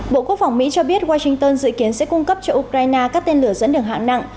bộ quốc phòng mỹ cho biết washington dự kiến sẽ cung cấp cho ukraine các tên lửa dẫn đường hạng nặng